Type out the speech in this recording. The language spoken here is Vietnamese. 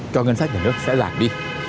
cho ngân sách của nước sẽ giảm đi